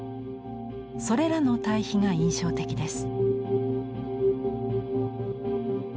それらの対比が印象的です。